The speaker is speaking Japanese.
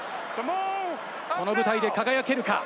この舞台で輝けるか？